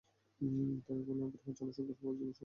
এখন, এই গ্রহের জনসংখ্যা প্রয়োজনীয় সংখ্যা স্পর্শ করেছে।